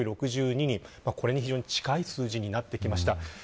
これに非常に近い数字になってきました。